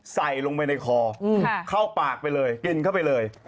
ใส่ลงไปในคอเข้าปากไปเลยกินเข้าไปเลย